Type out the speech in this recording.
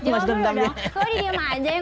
masih dendam ya